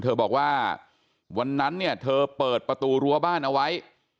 เธอบอกว่าวันนั้นเนี่ยเธอเปิดประตูรั้วบ้านเอาไว้